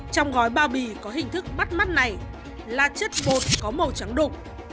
trong gói bao bì có hình thức bắt mắt này là chất bột có màu trắng đục